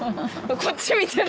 こっち見てる！